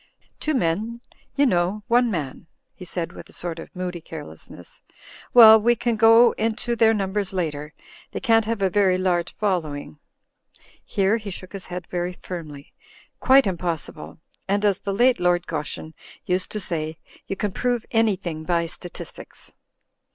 "Two men, you know— one man," he said with a sort of moody carelessness. "Well we can go into their numbers later ; they can't have a vtry large fol lowing." Here he shook his head very firmly. "Quite impossible. And as the late Lord Goschen used to say, 'You can prove anything by statistics.'